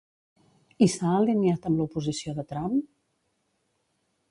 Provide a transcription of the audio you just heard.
I s'ha alineat amb l'oposició de Trump?